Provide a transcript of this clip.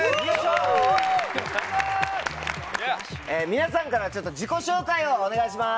・皆さんから自己紹介をお願いします。